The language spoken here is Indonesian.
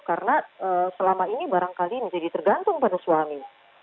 karena selama ini barangkali menjadi tergantung pada suami